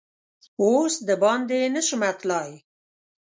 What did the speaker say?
اوس دباندې نه شمه تللا ی